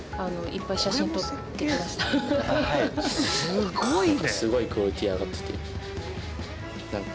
すごいね。